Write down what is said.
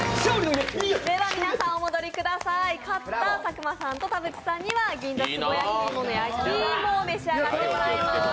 買った佐久間さん田渕さんには銀座つぼやきいもを召し上がっていただきます。